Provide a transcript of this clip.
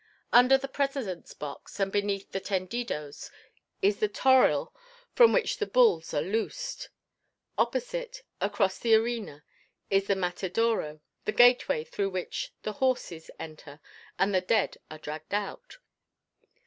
Under the President's box, and beneath the tendidos, is the toril from which the bulls are loosed. Opposite, across the arena, is the matedero, the gateway through which the horses enter and the dead are dragged out.